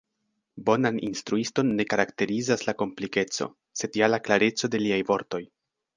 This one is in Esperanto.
Bonan instruiston ne karakterizas la komplikeco, sed ja la klareco de liaj vortoj!